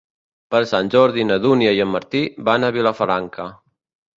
Per Sant Jordi na Dúnia i en Martí van a Vilafranca.